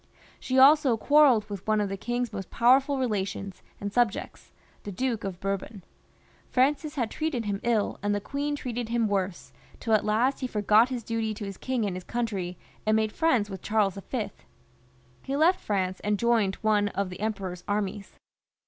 She also quarrelled with one of the king's most powerful relations and subjects, the Duke of Bourbon. Francis had treated him lQ, and the queen treated him worse, till at last he forgot his duty to his king and his country, and made Mends with Charles V. He left France and joined one of the Emperor's armies.